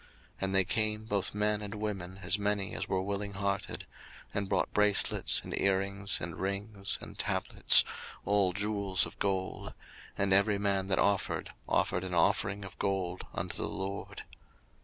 02:035:022 And they came, both men and women, as many as were willing hearted, and brought bracelets, and earrings, and rings, and tablets, all jewels of gold: and every man that offered offered an offering of gold unto the LORD.